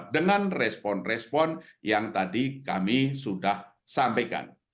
dengan respon respon yang tadi kami sudah sampaikan